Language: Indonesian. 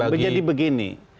bukan jadi begini